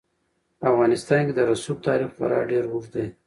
په افغانستان کې د رسوب تاریخ خورا ډېر اوږد دی.